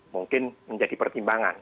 mungkin menjadi pertimbangan